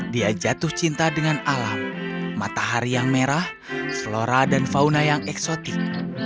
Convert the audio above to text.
dia jatuh cinta dengan alam matahari yang merah selora dan fauna yang eksotik